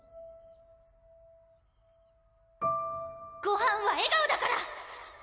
「ごはんは笑顔」だから！